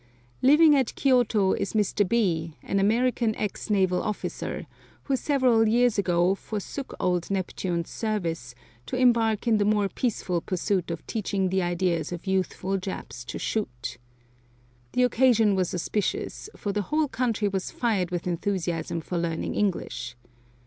Living at Kioto is Mr. B, an American ex naval officer, who several years ago forsook old Neptune's service to embark in the more peaceful pursuit of teaching the ideas of youthful Japs to shoot. The occasion was auspicious, for the whole country was fired with enthusiasm for learning English.